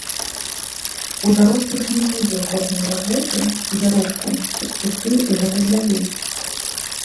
У дарослых не будзе годнай работы і заробку, перспектыў і гэтак далей.